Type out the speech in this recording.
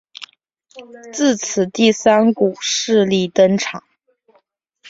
自此第三股势力登场。